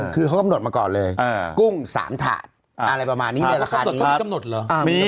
คือเขากำหนดมาก่อนเลยกุ้ง๓ถาดอะไรประมาณนี้ในราคานี้กำหนดเหรอ